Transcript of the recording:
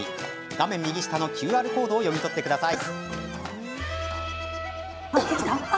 画面右下のＱＲコードを読み取ってください。